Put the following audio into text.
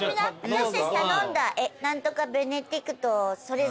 私たち頼んだ何とかベネディクトそれぞれの。